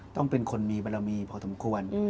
ต้องเป็นคนมีบารมีพอสมควร